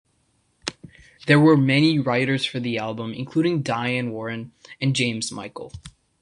There were many writers for the album including Diane Warren and James Michael.